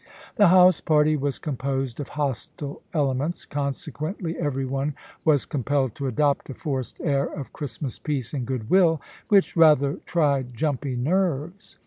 The house party was composed of hostile elements; consequently, every one was compelled to adopt a forced air of Christmas peace and good will, which rather tried jumpy nerves.